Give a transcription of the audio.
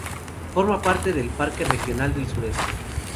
Forma parte del parque regional del Sureste.